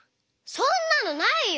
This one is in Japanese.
そんなのないよ！